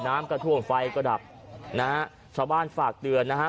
น้ำก็ท่วมไฟก็ดับนะฮะชาวบ้านฝากเตือนนะฮะ